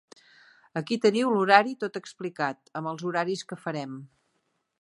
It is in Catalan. Aquí teniu l'horari tot explicat, amb els horaris que farem.